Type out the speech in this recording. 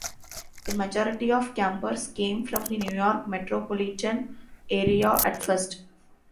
The majority of campers came from the New York metropolitan area at first.